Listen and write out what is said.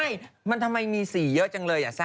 ไม่มันทำไมมีสีเยอะจังเลย